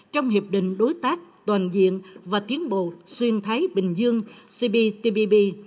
trong hiệp định đối tác toàn diện và tiến bộ xuyên thái bình dương cptpp